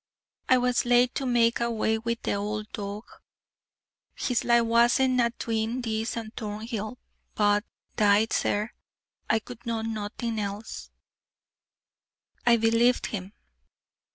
I was laith to make awa wi' the old dowg, his like wasne atween this and Thornhill but, 'deed, sir, I could do naething else." I believed him.